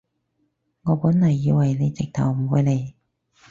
我本來以為你直頭唔會嚟